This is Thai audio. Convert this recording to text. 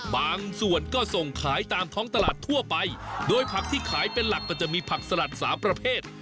บางส่วนก็ส่งขายตามท้องตลาดทั่วไปโดยผักที่ขายเป็นหลักก็จะมีผักสลัดสามประเภท